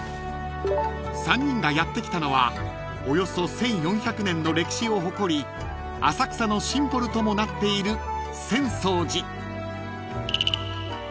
［３人がやって来たのはおよそ１，４００年の歴史を誇り浅草のシンボルともなっている］